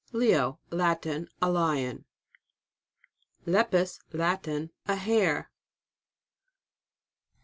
LEO. Latin. A Lion. LEPUS. Latin. A Hare.